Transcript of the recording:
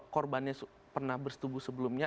korbannya pernah bersetubuh sebelumnya